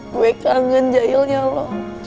gue kangen jahilnya lo